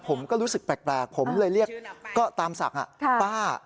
ผมก็รู้สึกแปลกผมเลยเรียกก็ตามศักดิ์ป้า